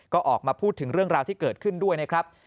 ก็ออกมาพูดถึงเรื่องราวที่เกิดขึ้นด้วยนะครับ